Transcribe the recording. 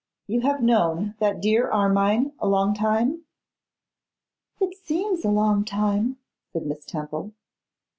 'You have known that dear Armine a long time?' 'It seems a long time,' said Miss Temple.